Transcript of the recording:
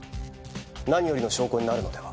何よりの証拠になるのでは？